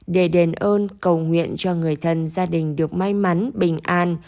để đền ơn cầu nguyện cho người thân gia đình được may mắn bình an